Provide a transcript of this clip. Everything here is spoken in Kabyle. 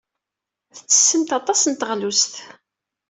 Tettessemt aṭas n teɣlust.